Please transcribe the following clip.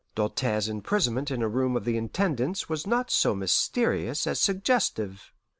Doltaire's imprisonment in a room of the Intendance was not so mysterious as suggestive.